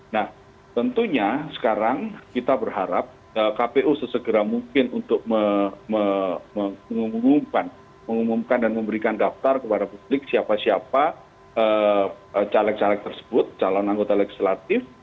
nah tentunya sekarang kita berharap kpu sesegera mungkin untuk mengumumkan dan memberikan daftar kepada publik siapa siapa caleg caleg tersebut calon anggota legislatif